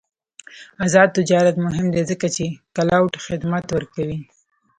آزاد تجارت مهم دی ځکه چې کلاؤډ خدمات ورکوي.